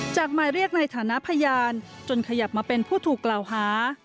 หมายเรียกในฐานะพยานจนขยับมาเป็นผู้ถูกกล่าวหา